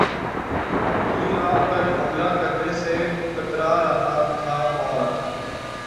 کوئی آپ پر حملہ کرنے سے کترا رہا تھا اور